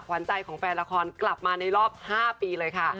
ขวัญใจของแฟนละครกลับมาในรอบ๕ปีเลยค่ะ